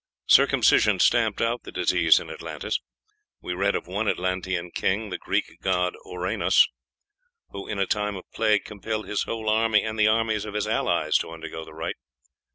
Circumcision stamped out the disease in Atlantis; we read of one Atlantean king, the Greek god Ouranos, who, in a time of plague, compelled his whole army and the armies of his allies to undergo the rite.